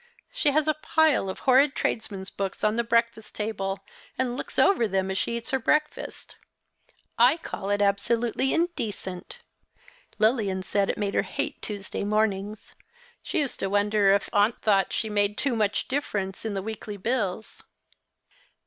She has a pile of horrid tradesmen's books on the breakfast table, and looks over them as she eats her breakfast. I call it absolutely indecent. Lilian said it made her hate Tuesday mornings. She used to wonder if aunt thought she made too much difterence in the weekly bills."